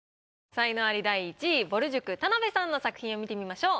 才能アリ第１位ぼる塾田辺さんの作品を見てみましょう。